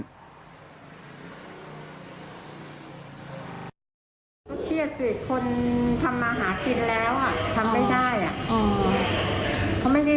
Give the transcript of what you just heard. เกี่ยวสิคนทำอาหารกินแล้วอ่ะทำไม่ได้อ่ะเขาไม่ได้